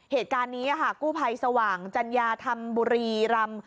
เหตุการณ์นี้ค่ะกู้ภัยสว่างจัญญาธรรมบุรีรำ